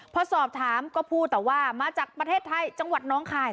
พอสอบถามก็พูดแต่ว่ามาจากประเทศไทยจังหวัดน้องคาย